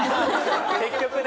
結局ね。